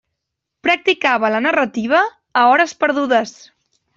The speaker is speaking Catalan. Practicava la narrativa a hores perdudes.